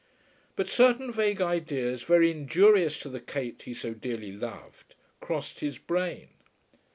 But certain vague ideas very injurious to the Kate he so dearly loved crossed his brain.